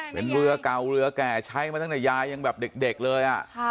เป็นเรือเก่าเรือแก่ใช้มาตั้งแต่ยายยังแบบเด็กเลย